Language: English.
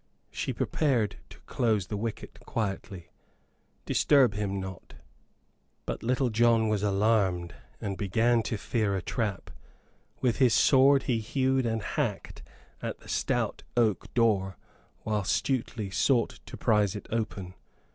She prepared to close the wicket quietly. "Disturb him not." But Little John was alarmed and began to fear a trap. With his sword he hewed and hacked at the stout oak door, whilst Stuteley sought to prise it open.